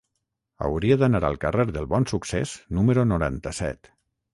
Hauria d'anar al carrer del Bonsuccés número noranta-set.